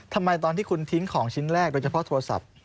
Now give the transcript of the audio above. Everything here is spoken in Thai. ทำไมตอนที่คุณทิ้งของชิ้นแรกโดยเฉพาะโทรศัพท์